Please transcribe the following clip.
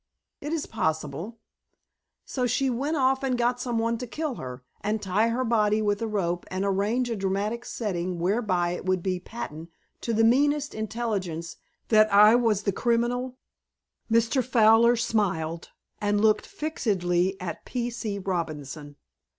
"It is possible." "So she went off and got someone to kill her, and tie her body with a rope, and arrange a dramatic setting whereby it would be patent to the meanest intelligence that I was the criminal?" Mr. Fowler smiled, and looked fixedly at P. C. Robinson.